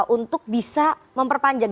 untuk bisa memperpanjang